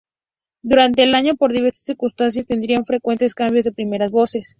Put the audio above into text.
Durante el año, por diversas circunstancias, tendrían frecuentes cambios de primeras voces.